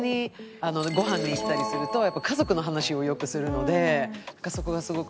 ごはんに行ったりすると家族の話をよくするのでそこがすごく。